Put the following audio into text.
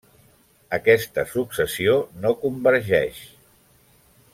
Aquesta successió no convergeix.